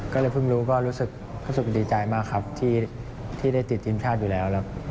ก็เลยเพิ่งรู้ก็รู้สึกดีใจมากครับที่ได้ติดทีมชาติอยู่แล้วครับ